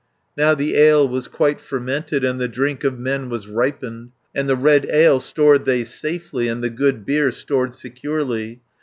Now the ale was quite fermented, And the drink of men was ripened, 500 And the red ale stored they safely, And the good beer stored securely.